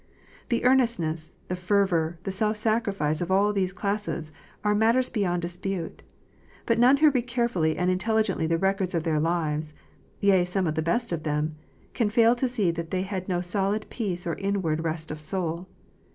The earnestness, the fervour, the self sacrifice of all these classes, are matters beyond dispute. But none who read carefully and intelligently the records of their lives, yea, some of the best of them, can fail to see that they had no solid peace or inward rest of soul.